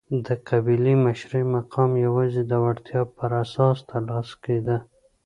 د قبیلې مشرۍ مقام یوازې د وړتیا پر اساس ترلاسه کېده.